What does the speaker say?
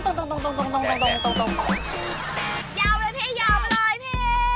ยาวเลยพี่ยาวไปเลยพี่